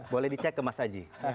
boleh dicek ke mas aji